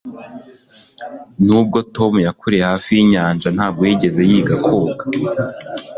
nubwo tom yakuriye hafi yinyanja, ntabwo yigeze yiga koga